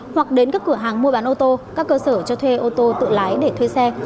hoặc đến các cửa hàng mua bán ô tô các cơ sở cho thuê ô tô tự lái để thuê xe